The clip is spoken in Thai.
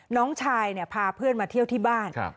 น้องชายเนี่ยพาเพื่อนมาเที่ยวที่บ้านครับ